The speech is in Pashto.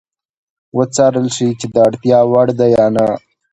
وڅارل شي چې د اړتیا وړ ده یا نه.